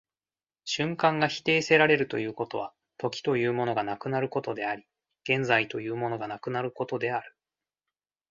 瞬間が否定せられるということは、時というものがなくなることであり、現在というものがなくなることである。